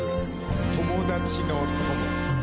「友達」の「友」。